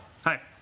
はい。